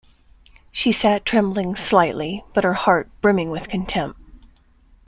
She sat trembling slightly, but her heart brimming with contempt.